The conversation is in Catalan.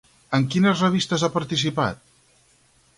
En quines revistes ha participat?